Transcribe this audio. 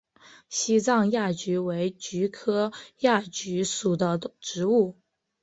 西藏亚菊为菊科亚菊属的植物。